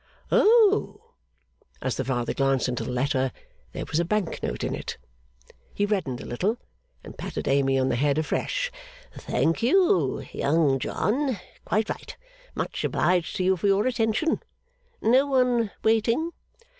'Oh!' As the Father glanced into the letter (there was a bank note in it), he reddened a little, and patted Amy on the head afresh. 'Thank you, Young John. Quite right. Much obliged to you for your attention. No one waiting?